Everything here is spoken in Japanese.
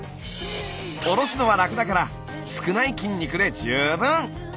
「下ろすのは楽だから少ない筋肉で十分」。